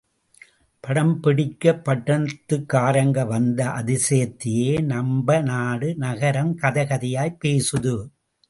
படம் பிடிக்க பட்டணத்துக்காரங்க வந்த அதிசயத்தையே நம்ப நாடு நகரம் கதை கதையாய் பேசுது!